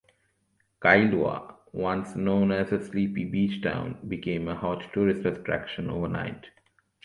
Kailua, once known as a sleepy beach town, became a hot tourist attraction overnight.